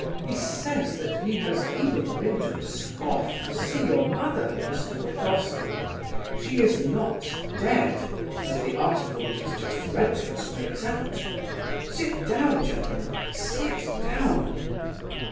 He says that he has even been to Pskoff to see your mother, Mr. Burdovsky; she is not dead, as the article which was just read to us makes out. Sit down, gentlemen, sit down!"